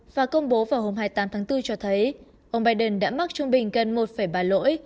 và công bố vào hôm hai mươi tám tháng bốn cho thấy ông biden đã mắc trung bình gần một ba lỗi